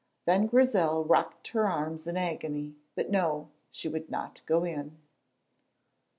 Then Grizel rocked her arms in agony, but no, she would not go in.